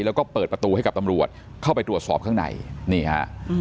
แล้วก็เปิดประตูให้กับตำรวจเข้าไปตรวจสอบข้างในนี่ฮะ